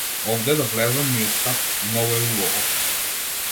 Овде да влезам, ми е страв, многу е убаво.